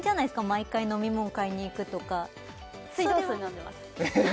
毎回飲物買いに行くとか水道水飲んでます